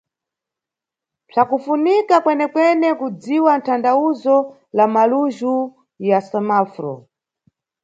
Mpsakufunika kwenekwene kudziwa thandawuzo la malujhu ya semaforo.